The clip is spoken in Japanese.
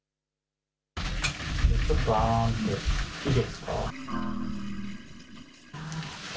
ちょっとあーんして、いいですか。